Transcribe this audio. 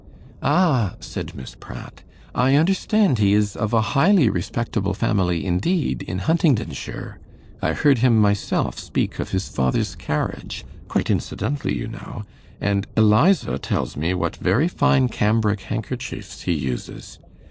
'Ah,' said Miss Pratt, 'I understand he is of a highly respectable family indeed, in Huntingdonshire. I heard him myself speak of his father's carriage quite incidentally, you know and Eliza tells me what very fine cambric handkerchiefs he uses.